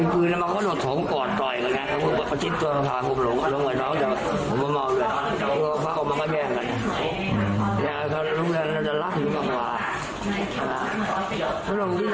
ผมก็เดินกลับไม่คิดจะไปเคลียร์ปัญหาหัวใจ